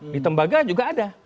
di tembaga juga ada